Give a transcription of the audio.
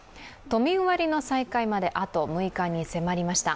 都民割の再開まであと６日に迫りました。